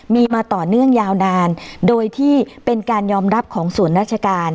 มีมาต่อเนื่องยาวนานโดยที่เป็นการยอมรับของส่วนราชการ